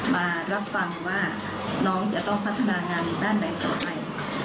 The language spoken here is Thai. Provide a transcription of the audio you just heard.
มารับฟังว่าน้องจะต้องพัฒนางานด้านใดต่อไป